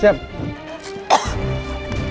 tidak ada apa apa